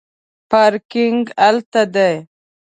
پارکینګ هلته دی